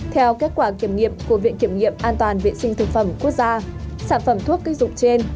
theo kết quả kiểm nghiệm của viện kiểm nghiệm an toàn vệ sinh thực phẩm quốc gia sản phẩm thuốc kích dụng trên